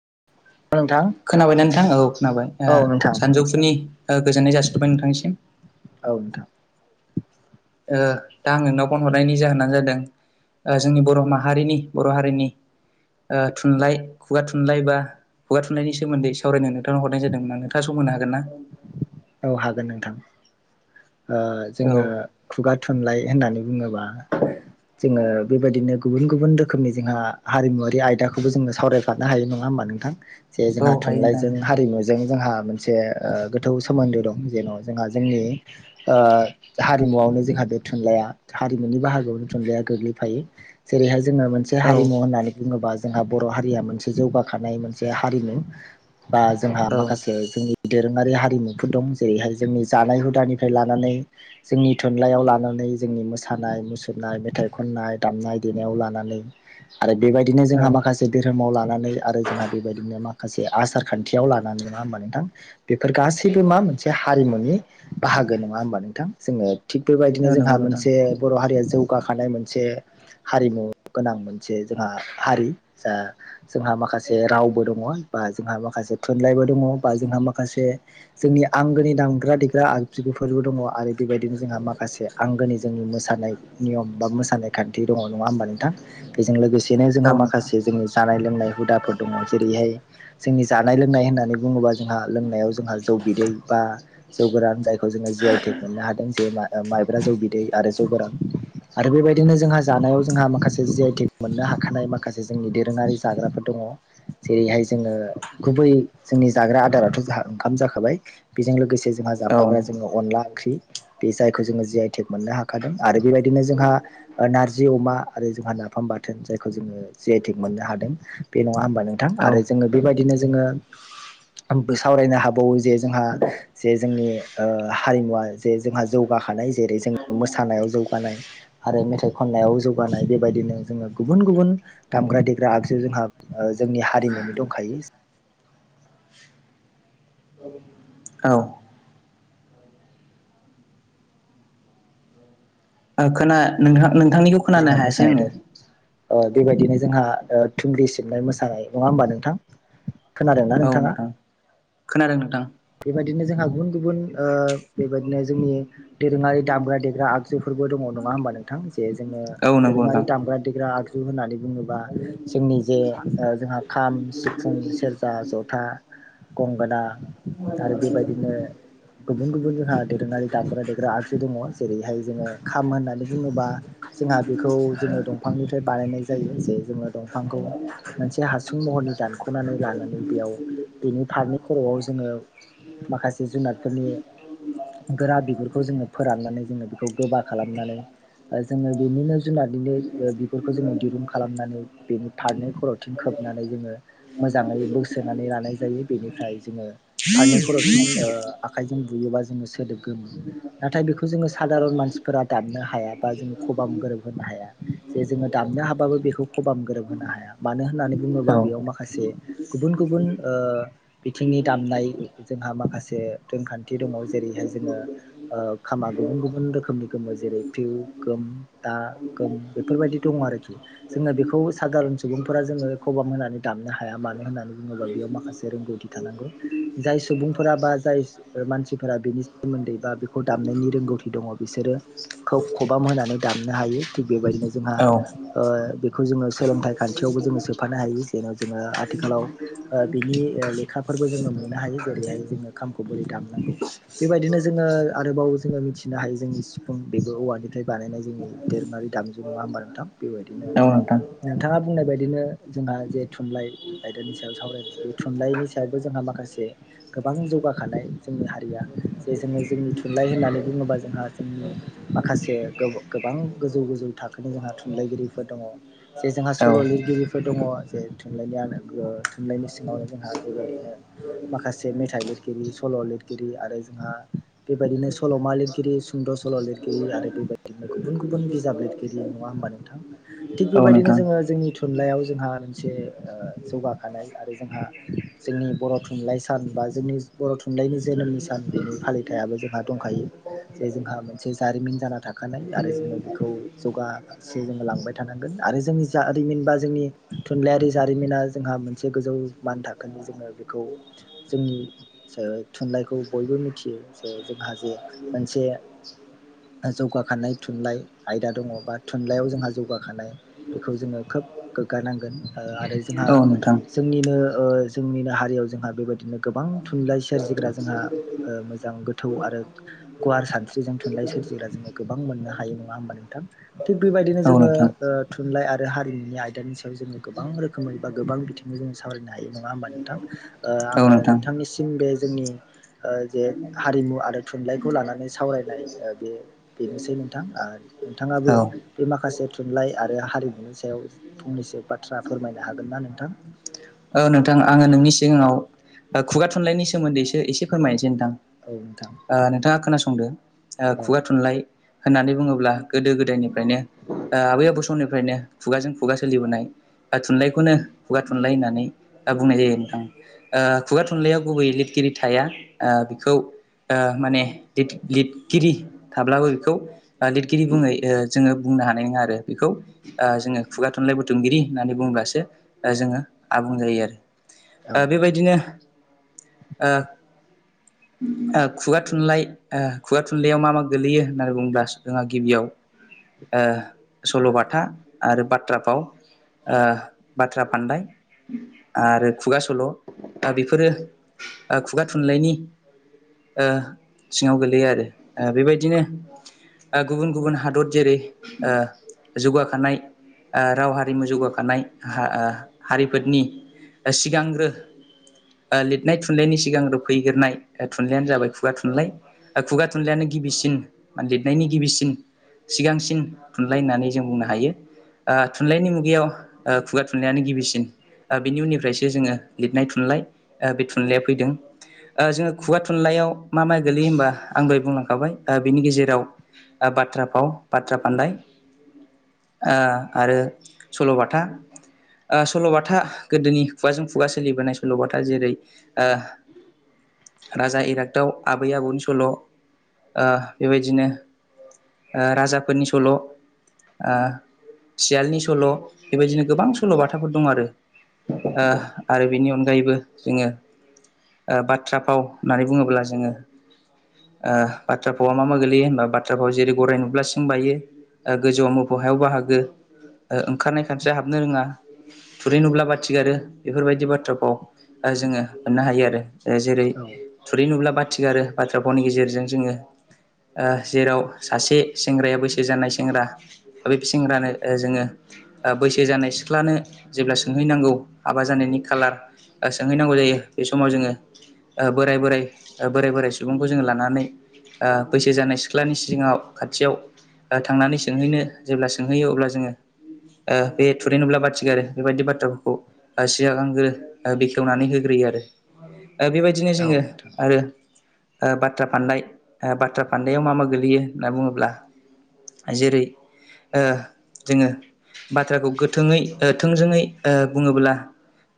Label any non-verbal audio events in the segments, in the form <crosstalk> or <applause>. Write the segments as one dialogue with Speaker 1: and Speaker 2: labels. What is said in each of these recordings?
Speaker 1: <inaudible>
Speaker 2: खोनाबायना नोंथां औ खोनाबाय
Speaker 1: औ नोंथां
Speaker 2: सानजौफुनि गोजोननाय जासिहरबाय नोंथांनिसिम।
Speaker 1: औ नोंथां‌
Speaker 2: ओ दा आं नोंनाव फन हरनायनि जाहोनानो जादों। जोंनि बर' माहारिनि बर' हारिनि ओ थुनलाइ खुगा थुनलाइ बा खुगा थुनलायनि सोमोन्दै सावरायनो नोंथांनाव हरनाय जादोंमोन नोंथाङा सम मोननो हागोन ना?
Speaker 1: औ हागोन नोंथां। ओ जोङो खुगा थुनलाइ होननानै बुङोबा। जोङो बेबायदिनो गुबुन गुबुन रोखोमनि जोंहा हारिमुवारि आयदाखौबो जोंङो सावरायफानो हायो नङा होमबा नोंथां? जे जोंहा
Speaker 2: औ हायो नोंथां
Speaker 1: थुनलाइजों हारिमु जों जोंहा मोनसे गोथौ सोमोन्दो दं जेन' जोंहा जोंनि ओ हारिमुआवनो जोंहा बे थुनलाइया हारिमुनि बाहागोआवनो थुनलाइया गोग्लैफायो। जेरै हाय जों जोङो मोनसे
Speaker 2: औ
Speaker 1: हारिमु होननानै बुङोबा जोंहा बर' हारिया मोनसे जौगाखानाय मोनसे हारिमु बा जोंहा
Speaker 2: औ
Speaker 1: माखासे जोंनि दोरोङारि हारिमुफोर दं जेरैहाय जोंनि जानाय हुदानि फ्राय लानानै जोंनि थुनलाइयाव लानानै जोंनि मोसानाय मुसुरनाय मेथाइ खननाय दामनाय देनायाव लानानै आरो बेबायदिनो
Speaker 2: औ
Speaker 1: जोंहा माखासे धोरोमाव लानानै आरो जोंहा बेबायदिनो मा माखासे आसार खान्थियाव लानानै मा होमबा नोंथां बेफोर गासैबो मा मोनसे हारिमुनि बाहागो नङा होनोमबा नोंथां जोङो थिग बेबायदिनो
Speaker 2: औ
Speaker 1: जोंहा
Speaker 2: नंगौ नोंथां
Speaker 1: मोनसे बर' हारिया जौगाखानाय मोनसे। हारिमु गोनां मोनसे जोंहा हारि जा जोंहा माखासे रावबो दङ' बा। बा जोंहा माखासे थुनलाइबो दङ' बा जोंहा माखासे जोंनि आंगोनि। दामग्रा देग्रा आरो आगजुफोरबो दङ आरो। बेबायदिनो जोंहा माखासे आंगोनि जोंनि मोसानाय नियम बा मोसानाय खान्थि दङ'। नङा होनबा नोंथां बेजों लोगोसे बिदिनो जोंहा
Speaker 2: औ नोंथां
Speaker 1: माखासे जोंनि जानाय लोंनाय हुदाफोर दङ' जेरैहाय जोंनि जानाय लोंनाय होननानै बुङोबा जोंहा लोंनायाव जोंहा जौ बिदै बा जौ गोरान जाय जि आइ टेक मोननो हादों जे माइब्रा जौ बिदै आरो जौ गोरान आरो बेबायदिनो जोंहा जानायाव जोंहा माखासे जि आइ टेक मोननो हाखानाय माखासे जोंनि दोरोङारि जाग्राफोर दं दङ' जेरैहाय जोङो गुबै जोंनि जाग्रा आदाराथ' जों ओंखाम जाखाबाय बेजों लोगोसे जोंहा
Speaker 2: औ
Speaker 1: जाफाग्रा जोङो अनला ओंख्रि बे जायखौ जोङो जि आइ टेक मोननो हाखादों आरो बेबायदिनो जोंहा ओ नारजि अमा आरो जोंहा नाफाम बाथोन जायखौ जोङो जि आइ टेक मोननो हादों बे नङा होनोमबा नोंथां
Speaker 2: औ
Speaker 1: आरो जोङो बेबायदिनो जोङो सावरायनो हाबावो जे जोंहा जे जोंनि ओ हारिमुवा जे जोंहा जौगाखानाय जेरै जों मोसानायाव जौगानाय आरो मेथाइ खननायाव जौगानाय खानाय बेबायदिनो जोङो गुबुन गुबुन दामग्रा देग्रा आगजु जोंहा जोंनि हारिमुनि दंखायो। <inaudible>
Speaker 2: औ खोना नोंथां नोंथांनिखौ
Speaker 1: जोंहा
Speaker 2: खोनानो हायासै
Speaker 1: मोसानाय
Speaker 2: आङो।
Speaker 1: दं ओ बेबायदिनो जोंहा थुंग्रि सिबनाय मोसानाय नङा होमबा नोंथां खोनादोंना
Speaker 2: औ
Speaker 1: नोंथाङा?
Speaker 2: नोंथां खोनादों नोंथां।
Speaker 1: बेबायदिनो जोंहा गुबुन गुबुन बेबायदिनो जोंनि दोरोङारि दामग्रा देग्रा आगजुफोरबो दङ' नङा होमबा नोंथां जे जोङो
Speaker 2: औ नंगौ नोंथां
Speaker 1: दोरोङारि दामग्रा देग्रा आगजु जु होननानै बुङोबा जोंनि जे जोंहा खाम सिफुं सेरजा जथा गंगोना आरो बेबायदिनो गुबुन गुबुन जोंहा दोरोङारि दामग्रा देग्रा आगजु दङ' जेरैहाय जोङो खाम होननानै बुङोबा जोंहा बेखौ जोङो दंफांनिफ्राय बानायनाय जायो जे जोङो दंफांखौ मोनसे हासुं महरै दानख'नानै लानानै बेयाव बेनि फारनै खर'आव जोङो माखासे जुनारफोरनि गोरा बिगुरखौ जोङो फोराननानै जोङो बेखौ गोबा खालामनानै जोङो बेनिनो जुनारनिनो बिगुरखौ जोङो दिरुं खालामनानै बेनि फारनै खर'थिं खोब नानै जोङो मोजाङै बोसोनानै लानाय जायो बेनिफ्राय जोङो फारनै खर' थिन आखाइजों बुयोबा जोङो सोदोब गोमो नाथाय बेखौ जोङो सादारन मानसिफोर दामनो हाया बा जो खबाम गोरोब होनो हाया जे जोङो दामनो हाबाबो बेखौ खबाम गोरोब होनो हाया। मानो होननानै बुङोबा
Speaker 2: औ
Speaker 1: बेयाव माखासे गुबुन गुबुन बिथिंनि दामनाय जोंहा माखासे रोंखान्थि दङ जेरैहाय जोङो खामा गुबुन गुबुन रोखोमनि गोमो जेरै फिउ गोम दा गोम बेफोरबायदि दङ आरोखि जोङो बेखौ सादारन सुबुंफोरा सुबुंफोरा जोङो खबाम होनानै दामनो हाया मानो होननानै बुङोबा बेयाव माखासे रोंगौथि थानांगौ। जाय सुबुंफोरा बा जाय मानसिफोरा बेनि सोमोन्दै बा बेखौ दामनायनि रोंगौथि दङ बिसोरो खबाम होनानै दामनो हायो थिग बेबायदिनो जोंहा
Speaker 2: औ
Speaker 1: बेखौ जोङो सोलोंथाइ खान्थियाव बो जोंङो सोफानो हायो जेराव जोंङो आथिालाव जोंङो बिनि लेखा फोरबो जोंङो मोन मोननो हायो जेरैहाय जोङो खामखौ बोरै दामनांगौ बेबायदिनो जोङो आरोबाव जोङो मिथिनो हायो जोंनि सिफुं बेबो औवानिफ्राय बानायनाय जोंनि दोरोंङारि दामजु नङा हबा नोंथां बेबायदिनो
Speaker 2: औ नोंथां
Speaker 1: नोंथाङा बुंनाय बायदिनो जोंहा जे थुनलाइ आयदानि सायाव सावरायनाय बे थुनलाइनि सायावबो जोंहा माखासे गोबां जौगाखानाय जोंनि हारिया जे जोङो जोंनि थुनलाइ होननानै बुङोबा जोंहा जोंनि माखासे गोबां गोजौ गोजौ थाखोनि जोंहा थुनलाइगिरिफोर दङ जे जोंहा
Speaker 2: औ
Speaker 1: सल' लिरगि गिरिफोर दङ जे थुनलाइनिानो थुनलाइनि सिङावनो जोंहा बेबायदिनो माखासे मेथाइ लिरगिरि सल' लिरगिरि आरो जोंहा बेबायदिनो सल'मा लिरगिरि सुंद' सल' लिरगिरि आरो बेबायदिनो गुबुन गुबुन बिजाब लिरगिरि नङा होमबा नोंथां थिग
Speaker 2: औ
Speaker 1: बेबायदिनो
Speaker 2: नोंथां
Speaker 1: जोङो जोंनि थुनलाइयाव जोंहा मोनसे जौगाखानाय आरो जोंहा जोंनि बर' थुनलाइ सान बा जोंनि बर' थुनलाइनि जोनोमनि सान बेनि फालिथायाबो जोंहा दंखायो। जे जोंहा मोनसे जारिमिन जाना थाखानाय आरो जोङो बेखौ जौगा फारसे जोङो लांबाय थानांगोन। आरो जोंनि जारिमिन बा जोंनि थुनलाइयारि जारिमिना जोंहा मोनसे गोजौ मान थाखोनि जोङो बेखौ जोंनि जो थुनलाइखौ बयबो मिथियो जे जोंहा जे मोनसे जौगाखानाय थुनलाइ आयदा दङ बा थुनलाइयाव जोंहा जौगाखानाय बेखौ जोङो खोब गोग्गानांगोन ओ आरो जोंहा
Speaker 2: औ नोंथां
Speaker 1: जोंनिनो ओ जोंनो हारियाव जोंहा बेबायदिनो गोबां थुनलाइ सोरजिग्रा जोंहा ओ मोजां गोथौ आरो गुवार सानस्रि जों थुनलाइ सोरजिग्रा जोङो गोबां मोननो हायो नङा होमबा नोंथां थिग बेबायदिनो
Speaker 2: औ
Speaker 1: जोङो
Speaker 2: नोंथां
Speaker 1: ओ थुनलाइ आरो हारिमुनि आयदानि सायाव जोङो गोबां रोखोमै बा गोबां बिथिङै जोङो सावरायनो हायो नङा होमबा नोंथां ओ
Speaker 2: औ
Speaker 1: आङो
Speaker 2: नोंथां
Speaker 1: नोंथांनिसिम बे जोंनि जे हारिमु आरो थुनलाइखौ लानानै सावराय नाय ओ बे बेनोसै नोंथां ओ
Speaker 2: औ
Speaker 1: नोंथाङाबो बे माखासे थुनलाइ आरो हारिमु नि सायाव फंनैसो बाथ्रा फोरमायनो हागोन ना नोंथां
Speaker 2: औ नोंथां आङो नोंनि सिगाङाव खुगा थुनलाइनि सोमोन्दैसो एसे फोरमायनोसै नोंथां।
Speaker 1: औ नोंथां
Speaker 2: बुंदो ओ
Speaker 1: औ
Speaker 2: खुगा थुनलाइ होननानै बुङोब्ला गोदो गोदायनिफ्रायनो ओ आबै आबौ समनिफ्रायनो खुगाजों खुगा सोलिबोनाय थुनलाइखौनो खुगा थुनलाइ होननानै दा बुंनाय जायो नोंथां ओ खुगा थुनलाइयाव गुबैयै लिरगिरि थाया ओ बेखौ ओ माने लिद लिदगिरि थाब्लाबो बेखौ लिरगिरि बुङै ओ जोङो बुंनो हानाय नङा आरो बेखौ ओ जोङो खुगा थुनलाइ बुथुमगिरि होननानै बुंङोब्लासो जोङो आबुं जायो आरो
Speaker 1: औ
Speaker 2: ओ
Speaker 1: नोंथां
Speaker 2: बेबायदिनो ओ ओ खुगा थुनलाइ ओ खुगा थुनलाइयाव मा मा गोलैयो होननानै बुंङोब्ला जोंहा गिबियाव ओ सल'बाथा आरो बाथ्रा फाव ओ बाथ्रा फानदाय आरो खुगा सल' ओ बेफोरो ओ खुगा थुनलाइनि ओ सिङाव गोलैयो आरो ओ बेबायदिनो ओ गुबुन गुबुन हादर जेरै ओ जौगाखानाय ओ राव हारिमु जौगाखानाय हा ओ हारिफोरनि सिगांग्रो ओ लिरनाय थुनलाइनि सिगांनो फैग्रोनाय थुनलाइयानो जाबाय खुगा थुनलाइ खुगा थुनलाइयानो गिबिसिन लिरनायनि गिबिसिन सिगांसिन थुनलाइ होननानै जों बुंनो हायो। ओ थुनलाइनि मुगायाव ओ खुगा थुनलाइयानो गिबिसिन ओ बिनि उननिफ्रायसो जोङो लिरनाय थुनलाइ बे थुनलाइया फैदों। ओ जोङो खुगा थुनलाइयाव मा मा गोलैयो होमबा आं दहाय बुंलांखाबाय ओ बिनि गेजेराव ओ बाथ्रा फाव बाथ्रा फान्दाय ओ आरो सल'बाथा ओ सल'बाथा गोदोनि खुगाजों खुगा सोलिबोनाय सल'बाथा जेरै ओ राजा इरागदाव आबै आबौनि सल'ओ बेबायदिनो ओ राजाफोरनि सल' ओ सियालनि सल' बेबायदिनो गोबां सल' फोर दं आरो ओ आरो बिनि अनगा यैबो जोङो बाथ्रा फाव होननानै बुङोब्ला जोङो ओ बाथ्रा भावा मा मा गोगलैयो होनबा बाथ्रा भाव जेरै गराय नुब्ला सिं बायो ओ गोजौवाव मोफौ हायाव बाहागो ओ ओंखारनाय खानस्रिया हाबनो रोङा थुरै नुब्ला बाथिगारो बेफोरबायदि बाथ्रा फाव जोङो मोननो हायो आरो ओ जेरै
Speaker 1: औ
Speaker 2: थुरै नुब्ला बाथि गारो बाथ्रा भावनि गेजेरजों जोङो ओ जेराव सासे सेंग्राया बैसो जानाय सेंग्रा बे सेंग्रानो ओ जोङो ओ बैसो जानाय सि सिख्लानो जेब्ला सोंहैनांगौ हाबा जानायनि खालार सोंहैनांगौ जायो बे समाव जोङो बोराइ बोराइ ओ बोराइ बोराइ सुबुंखौ जोङो लानानै ओ बैसो जानाय सिख्लानि सिगाङाव खाथियाव थांनानै सोंहैनो जेब्ला सोंहैयो अब्ला जोङो ओ बे थुुरै नुब्ला बाथि गारो बेबायदि बाथ्राफोरखौ सिगांग्रो बेखेवनानै होग्रोयो आरो
Speaker 1: <inaudible>
Speaker 2: ओ बेबायदिनो जोङो
Speaker 1: नोंथां
Speaker 2: आरो बाथ्रा फान्दाय बाथ्रा फान्दायाव मा मा गोगलैयो होनना बुङोब्ला जेरै ओ जोङो बाथ्राखौ गो थोङै ओ थोंजोङै ओ बुङोब्ला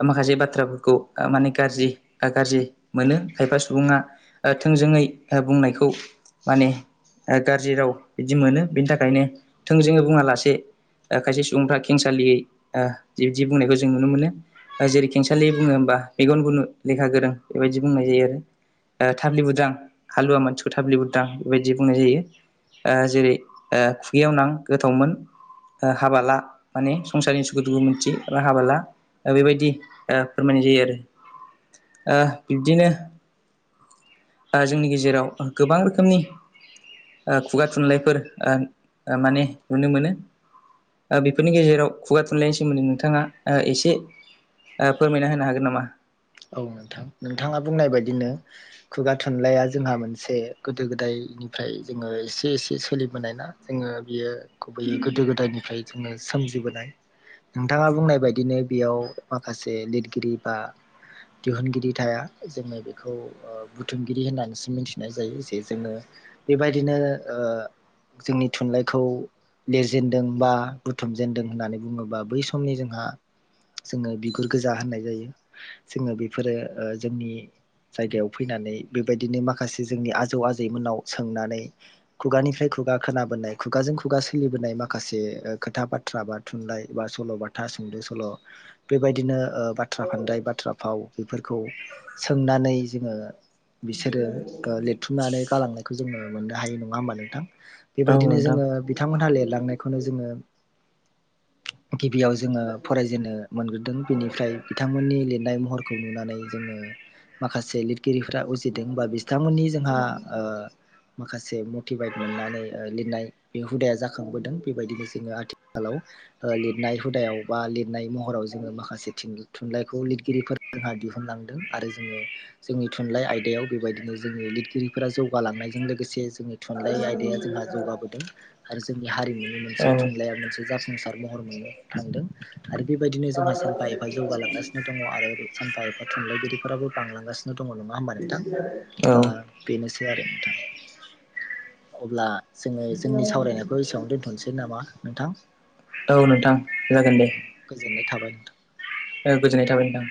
Speaker 2: माखासे बाथ्राफोरखौ माने गाज्रि गाज्रि मोनो खायफा सुबुङा ओ थों जोङै बुंनायखौ माने ओ गाज्रि राव बिदि मोनो बेनि थाखायनो थोंजोङै बुङा लासे ओ खायसे सुबुंफ्रा खेंसा सालियै ओ बिबदि बुंनायखौ जों नुनो मोनो। ओ जेरै खेंसालि बुङो होमबा मेगन गुनु लेखा गोरों बेबायदि बुंनाय जायो आरो ओ थाब्लि बुदां हालुवा मानसिखौ थाब्लि बुदां बेबायदि बुंनाय जायो। ओ जेरै ओ खुगायाव नां गोथावमोन हाबा ला माने संसारनि सुखु दुखु मोनथि बा हाबाला बेबायदि ओ फोरमायनाय जायो आरो। बिब्दिनो ओ जोंनि गेजेराव गोबां रोखोमनि ओ खुगा थुनलाइफोर ओ माने नुनो मोनो। ओ बेफोरनि गेजेराव खुगा थुनलाइनि सोमोन्दै नोंथाङा ओ एसे ओ फोरमायना होनो हागोन नामा?
Speaker 1: औ नोंथां नोंथाङा बुंनाय बायदिनो खुगा थुनलाइया जोंहा मोनसे गोदो गोदाय निफ्राय जोङो एसे एसे सोलिबोनाय ना जोङो बियो गुबैयै गोदो गोदायनिफ्राय जोङो सोमजि बोनाय नोंथाङा बुंनाय बायदिनो बेयाव माखासे लिरगिरि बा दिहुनगिरि थाया जोङो बेखौ ओ बुथुमगिरि होननानैसो मिथिनाय जायो जे जोङो बेबायदिनो ओ जोंनि थुनलाइखौ लिरजेनदों बा बुथुमजेनदों होननानै बुङोबा बै समनि जोंहा जोङो बिगुर गोजा होननाय जायो जोङो बेफोरो ओ जोंनि जायगायाव फैनानै बेबायदिनो माखासे जोंनि आजौ आजैमोननाव सोंनानै खुगानिफ्राय खु खुगा खोनाबोनाय खुगाजों खुगा सोलिबोनाय माखासे खोथा बाथ्रा बा थुनलाइ बा सल'बाथा सुंद' सल' बेबायदिनो ओ बाथ्रा फान्दाय बाथ्रा फाव बेफोरखौ सोंनानै जोङो बिसोरो लिरथुमनानै गालांनायखौ जोङो मोननो हायो नङा होमबा नोंथां?
Speaker 2: औ
Speaker 1: बेबायदिनो
Speaker 2: नोंथां
Speaker 1: जोङो बिथांमोनहा लिरलांनायखौनो जोङो गिबियाव जोङो फरायजेननो मोनग्रोदों बेनिफ्राय बिथांमोननि लिरनाय महरखौ नुनानै जोङो माखासे लिरगिरिफ्रा उजिदों बा बिथांमोननि जोंहा ओ माखासे मटिभेट मोननानै लिरनाय बे हुदाया जाखांबोदों बेबायदिनो जोङो आथिखालाव ओ लिरनाय हुदायाव बा लिरनाय महराव जोङो माखासे थिं थुनलाइखौ लिरगिरिफोर जोंहा दिहुनलांदों आरो जोङो जोंनि थुनलाइ आयदायाव बेबायदिनो जोंनि लिरगिरिफोरा जौगालांनायजों लोगोसे जोंनि
Speaker 2: औ
Speaker 1: थुनलाइ आयदाया जोंहा जौगाबोदों आरो जोंनि हारिमु मोनसे थुनलाइ मोनसे जाफुंसार महर मोननो थांदों आरो बेबायदिनो जोंहा सानफा एफा जौगालां गासिनो दङ' आरो सानफा एफा थुनलाइगिरिफोराबो बांलांगासिनो दङ' नङा होमबा नोंथां ओ
Speaker 2: औ
Speaker 1: बेनोसै आरो नोंथां अब्ला जोङो
Speaker 2: औ
Speaker 1: जोंनि सावरायनायखौ एसेबांनो दोन्थ'नोसै नामा नोंथां?
Speaker 2: औ नोंथां जागोन दे।
Speaker 1: गोजोननाय थाबाय नोंथां।
Speaker 2: गोजोननाय थाबाय नोंथां।